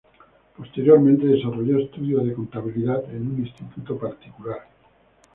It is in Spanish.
Posteriormente, desarrolló estudios de contabilidad en un instituto particular.